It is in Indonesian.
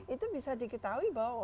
itu bisa diketahui bahwa